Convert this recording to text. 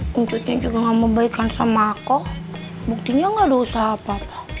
cucunya juga ga mau baikan sama aku buktinya ga ada usaha apa apa